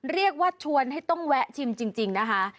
เรียกว่าชวนให้ต้องแวะชิมจริงนะคะ